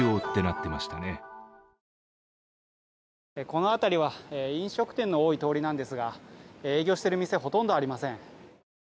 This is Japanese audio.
この辺りは飲食店の多い通りなんですが営業している店はほとんどありません。